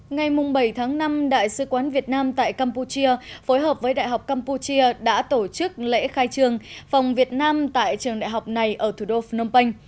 ngày bảy tháng năm đại sứ quán việt nam tại campuchia phối hợp với đại học campuchia đã tổ chức lễ khai trường phòng việt nam tại trường đại học này ở thủ đô phnom penh